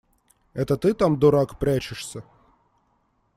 Это ты там, дурак, прячешься?